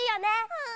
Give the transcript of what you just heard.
うん。